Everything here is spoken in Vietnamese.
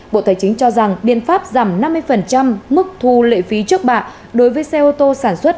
bộ tài chính cho rằng biện pháp giảm năm mươi mức thu lệ phí trước bạ đối với xe ô tô sản xuất